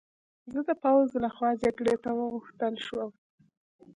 زه د پوځ له خوا جګړې ته وغوښتل شوم